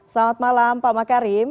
selamat malam pak makarim